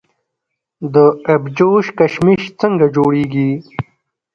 د ابجوش کشمش څنګه جوړیږي؟